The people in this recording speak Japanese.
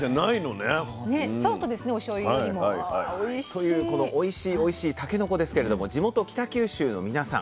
というこのおいしいおいしいたけのこですけれども地元北九州の皆さん